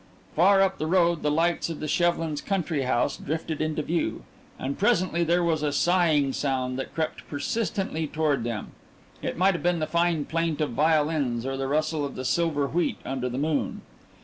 Far up the road the lights of the Shevlins' country house drifted into view, and presently there was a sighing sound that crept persistently toward them it might have been the fine plaint of violins or the rustle of the silver wheat under the moon.